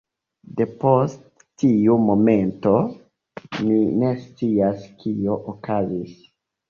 Depost tiu momento, mi ne scias, kio okazis.